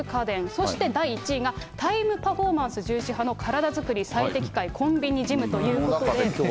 そして第１位がタイムパフォーマンス重視派の体作り最適解コンビあっ、きた。